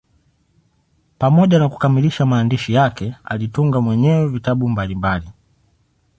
Pamoja na kukamilisha maandishi yake, alitunga mwenyewe vitabu mbalimbali.